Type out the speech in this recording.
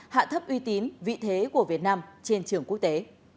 hạ thấp uy tín vị thế của việt nam trên trường quốc tế